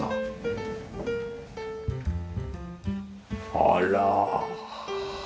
あら。